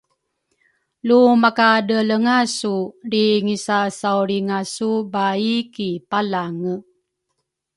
lumakadreelenga su lri ngisasaulringa su baai ki Palange